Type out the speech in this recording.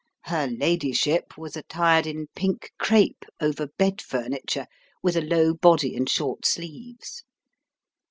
Her ladyship was attired in pink crape over bed furniture, with a low body and short sleeves.